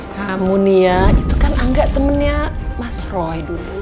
kamu nih ya itu kan angga temennya mas roy dulu